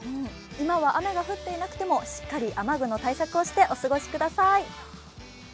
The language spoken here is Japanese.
今は雨が降っていなくてもしっかり雨具の対策をしてお過ごしください。